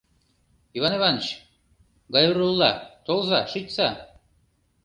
Иван Иваныч, Гайрулла, толза, шичса.